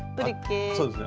そうですね。